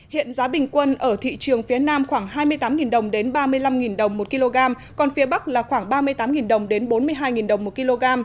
hiện giá bình quân ở thị trường phía nam khoảng hai mươi tám đồng đến ba mươi năm đồng một kg còn phía bắc là khoảng ba mươi tám đồng đến bốn mươi hai đồng một kg